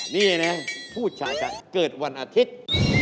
นี่เนี่ยพูดฉะนั้นเกิดวันอาทิตย์